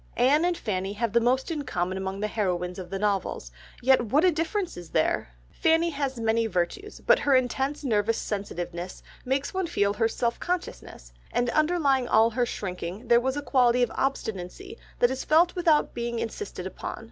Anne and Fanny have the most in common among the heroines of the novels, yet what a difference is there! Fanny has many virtues, but her intense nervous sensitiveness makes one feel her self consciousness, and underlying all her shrinking there was a quality of obstinacy that is felt without being insisted upon.